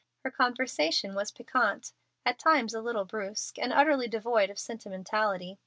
Her conversation was piquant, at times a little brusque, and utterly devoid of sentimentality.